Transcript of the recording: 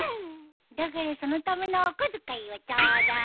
だからそのためのお小遣いをちょうだい。